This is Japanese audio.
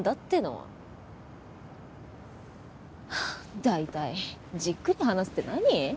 はあ大体じっくり話すって何？